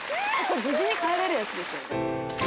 無事に帰れるやつですよね？